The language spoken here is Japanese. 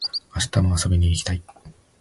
明日も遊びに行きたい